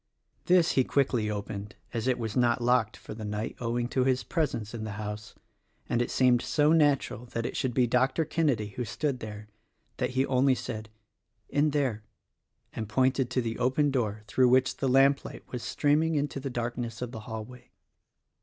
This he quickly opened (as it was not locked for the night, owing to his presence in the house), and it seemed so natural that it should be Dr. Kenedy who stood there that he only said "In there" and pointed to the open door through which the lamplight was streaming into the dark ness of the hallway.